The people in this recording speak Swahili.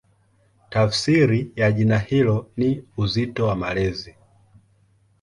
Tafsiri ya jina hilo ni "Uzito wa Malezi".